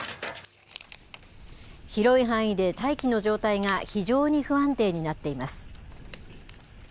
広い範囲で大気の状態が非常に不安定になっています。